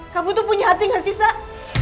kamu tuh punya hati gak sih sak